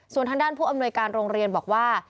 ส่วนทางด้านผู้อำนวยการโรงเรียนบอกว่า